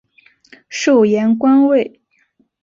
授盐官尉。